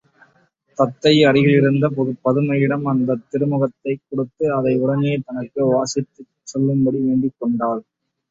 தத்தை அருகிலிருந்த பதுமையிடம் அந்தத் திருமுகத்தைக் கொடுத்து அதை உடனே தனக்கு வாசித்துச் சொல்லும்படி வேண்டிக் கொண்டாள்.